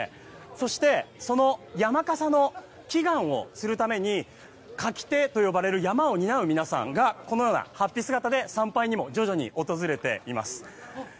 そしてその山笠の祈願をするために舁き手と呼ばれる山笠を担う皆さんがこのような、はっぴ姿で参拝にも徐々に訪れています。